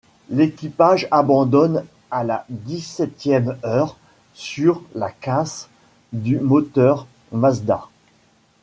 L'équipage abandonne à la dix-septième heure sur la casse du moteur Mazda.